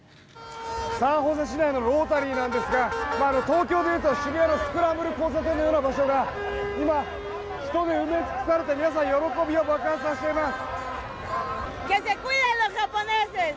サンホセ市内のロータリーなんですが東京でいうと、渋谷のスクランブル交差点のような場所が今、人で埋め尽くされて皆さん喜びを爆発させています。